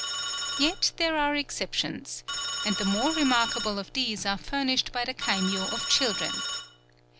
Yet there are exceptions; and the more remarkable of these are furnished by the kaimyō of children.